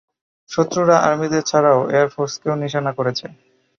শত্রুরা আর্মিদের ছাড়াও এয়ারফোর্সকেও নিশানা করেছে!